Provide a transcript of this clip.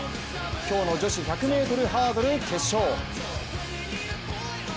今日の女子１００ｍハードル決勝。